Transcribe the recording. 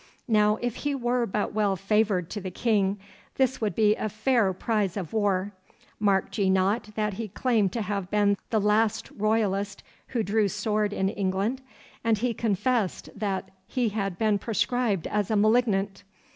Now, if he were but well favoured to the King, this would be fair prize of war. Marked ye not that he claimed to have been the last Royalist who drew sword in England? and he confessed that he had been proscribed as a malignant.